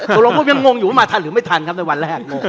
กรมพบกันงงอยู่ว่าทันหรือไม่ทันครับในวันแรก